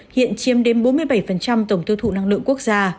hiện chiếm đến bốn mươi bảy tổng tiêu thụ năng lượng quốc gia